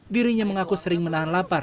dirinya mengaku sering menahan lapar